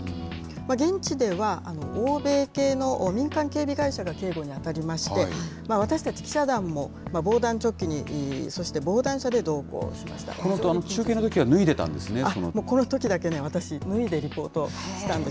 現地では、欧米系の民間警備会社が警護に当たりまして、私たち記者団も防弾チョッキに、中継のときは脱いでたんです